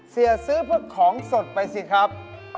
เสียซื้อพวกของสดไปสิครับ